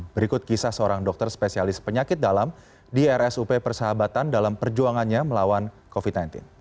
berikut kisah seorang dokter spesialis penyakit dalam di rsup persahabatan dalam perjuangannya melawan covid sembilan belas